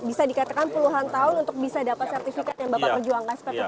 bisa dikatakan puluhan tahun untuk bisa dapat sertifikat yang bapak perjuangkan seperti itu